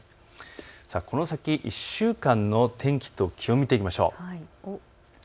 この先１週間の天気と気温を見ていきましょう。